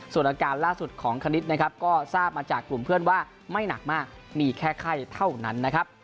ส่วนอาการล่าสุดของคณิตนะครับก็ทราบมาจากกลุ่มเพื่อนว่าไม่หนักมากมีแค่ไข้เท่านั้นนะครับ